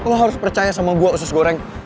lo harus percaya sama gua usus goreng